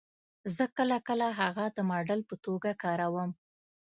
زه کله کله هغه د ماډل په توګه کاروم